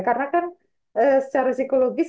karena kan secara psikologis